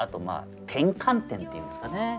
まあ転換点っていうんですかね。